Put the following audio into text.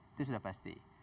itu sudah pasti